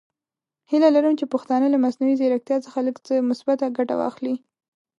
هیله لرم چې پښتانه له مصنوعي زیرکتیا څخه لږ څه مثبته ګټه واخلي.